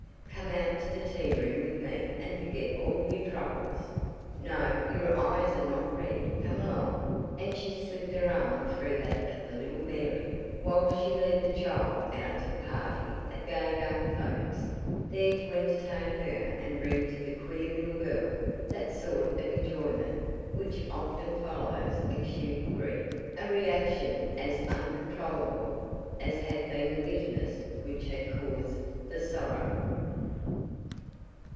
Come out to the tea room with me and forget all your troubles. No, your eyes are not red. Come along," and she slipped her arm through that of little Mary, while she led the child out to the party of gay young folks, there to entertain her and bring to the queer little girl that sort of enjoyment which often follows acute grief a reaction as uncontrollable as had been the bitterness which had caused the sorrow.